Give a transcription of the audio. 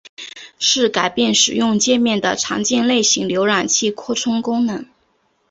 是改变使用介面的常见类型浏览器扩充功能。